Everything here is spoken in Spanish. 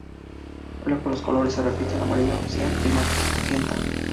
Luego los colores se repiten: amarillo, cian y magenta.